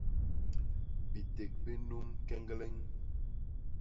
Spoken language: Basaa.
Biték bi num keñgleñ.